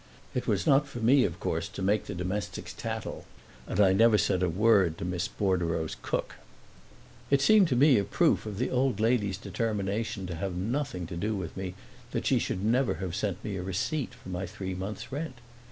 It was not for me of course to make the domestics tattle, and I never said a word to Miss Bordereau's cook. It seemed to me a proof of the old lady's determination to have nothing to do with me that she should never have sent me a receipt for my three months' rent.